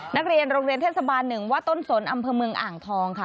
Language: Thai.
นักเรียนโรงเรียนเทศบาล๑วัดต้นสนอำเภอเมืองอ่างทองค่ะ